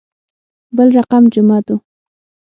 بل رقم جمعه دو.